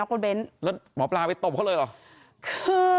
แล้วหมอปลาไปตบเขาเลยหรือ